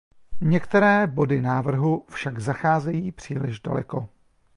Některé body návrhu však zacházejí příliš daleko.